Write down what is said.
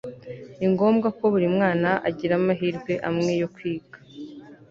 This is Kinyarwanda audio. ni ngombwa ko buri mwana agira amahirwe amwe yo kwiga